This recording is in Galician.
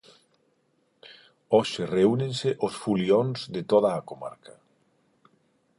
Hoxe reúnense os 'fulións' de toda a comarca.